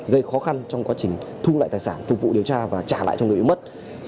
gây khó khăn trong quá trình thu lại tài sản phục vụ điều tra và trả lại cho người bị mất